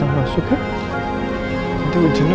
saya hanya ingin menjaga diriku